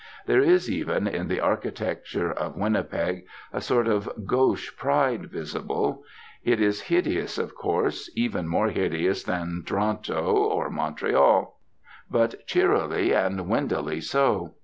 There is, even, in the architecture of Winnipeg, a sort of gauche pride visible. It is hideous, of course, even more hideous than Toronto or Montreal; but cheerily and windily so.